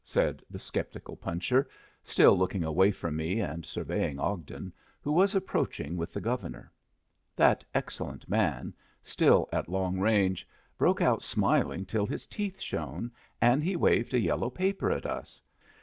said the sceptical puncher, still looking away from me and surveying Ogden, who was approaching with the Governor. That excellent man, still at long range, broke out smiling till his teeth shone, and he waved a yellow paper at us.